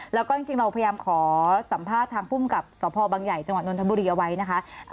แล้วก็จริงเราพยายามขอสัมภาษณ์ทางภูมิกับสพบังใหญ่จังหวัดนทบุรีเอาไว้นะคะ